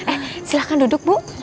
eh silahkan duduk bu